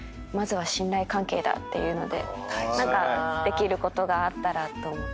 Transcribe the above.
まずは信頼関係だっていうのでできることがあったらと思って。